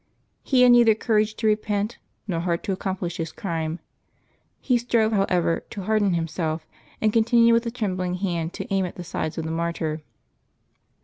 He had neither courage to repent, nor heart to accomplish his crime. He strove, however, to harden himself, and continued with a trem :Apbil 11] LIVES OF TEE SAINTS 143 bling hand to aim at the sides of the martyr.